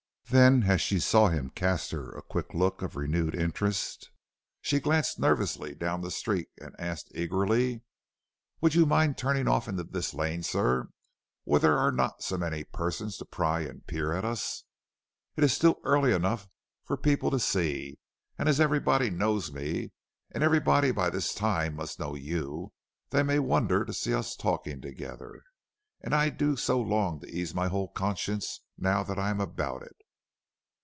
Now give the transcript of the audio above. Then as she saw him cast her a quick look of renewed interest, she glanced nervously down the street and asked eagerly: "Would you mind turning off into this lane, sir, where there are not so many persons to pry and peer at us? It is still early enough for people to see, and as everybody knows me and everybody by this time must know you, they may wonder to see us talking together, and I do so long to ease my whole conscience now I am about it."